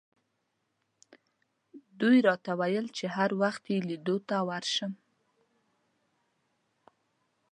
دوی راته وویل چې هر وخت یې لیدلو ته ورشم.